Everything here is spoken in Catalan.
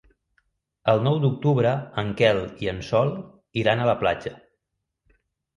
El nou d'octubre en Quel i en Sol iran a la platja.